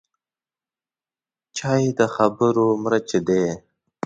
چای د خبرو مرچ دی